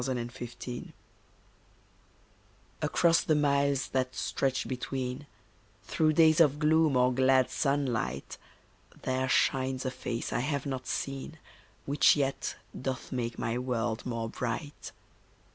A GIRL'S FAITH Across the miles that stretch between, Through days of gloom or glad sunlight, There shines a face I have not seen Which yet doth make my world more bright.